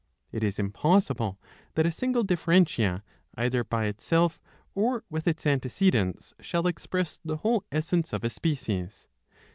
It is impossible that a single differentia, either by itself or with its antecedents, shall express the whole essence of a species.